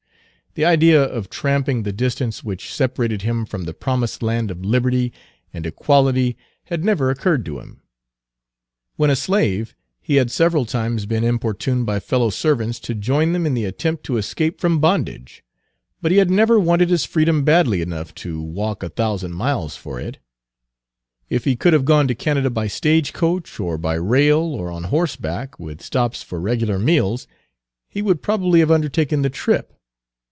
The idea of tramping the distance which separated him from the promised land of liberty and equality had never occurred to him. When a slave, he had several times been importuned by fellow servants to join them in the attempt to escape from bondage, but he had never wanted his freedom badly enough to walk a thousand miles for it; if he could have gone to Canada by stage coach, or by rail, or on horseback, with stops for regular meals, he would probably have undertaken the trip.